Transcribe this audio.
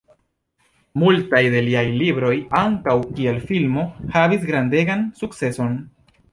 Multaj de liaj libroj ankaŭ kiel filmo havis grandegan sukceson.